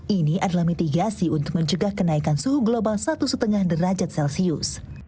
ini adalah mitigasi untuk mencegah kenaikan suhu global satu lima derajat celcius